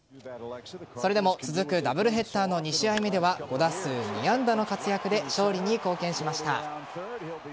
それでも続くダブルヘッダーの２試合目では５打数２安打の活躍で勝利に貢献しました。